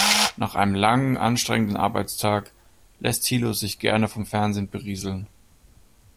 Nach einem langen, anstrengenden Arbeitstag lässt Thilo sich gerne vom Fernsehen berieseln.